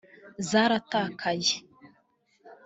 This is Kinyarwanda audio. zaratakaye